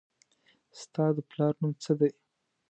ستا د پلار نوم څه دي